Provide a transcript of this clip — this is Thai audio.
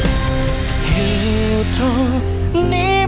คุณต้องไปค่ะ